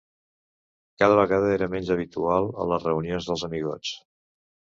Cada vegada era menys habitual a les reunions dels amigots.